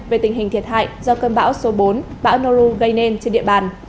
về tình hình thiệt hại do cơn bão số bốn bão nauru gây nên trên địa bàn